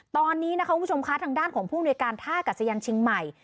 ตอนนี้นะคะคุณผู้ชมคะทางด้านของผู้อำนวยการท่ากัศยานเชียงใหม่